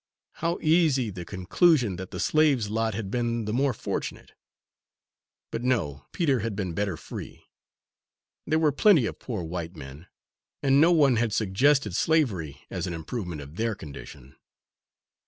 How easy the conclusion that the slave's lot had been the more fortunate! But no, Peter had been better free. There were plenty of poor white men, and no one had suggested slavery as an improvement of their condition.